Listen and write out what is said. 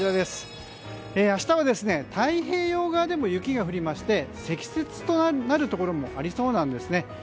明日は太平洋側でも雪が降りまして積雪となるところもありそうなんですね。